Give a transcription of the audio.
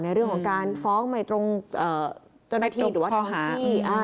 ในเรื่องของการฟ้องใหม่ตรงเจ้าหน้าที่หรือว่าโทรหา